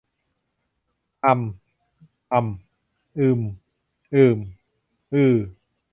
อัม อำ อึม อืม อือ